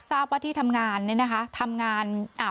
ทราบว่าที่ทำงานเนี่ยนะคะทำงานอ่า